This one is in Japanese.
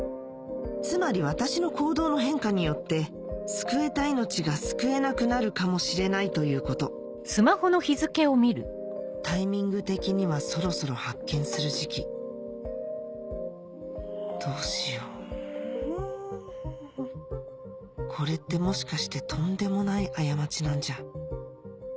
つまり私の行動の変化によって救えた命が救えなくなるかもしれないということタイミング的にはそろそろ発見する時期どうしようこれってもしかしてとんでもない過ちなんじゃ